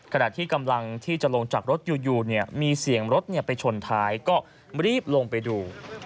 ขณะที่กำลังที่จะลงจากรถอยู่มีเสียงรถไปชนท้ายก็รีบลงไปดู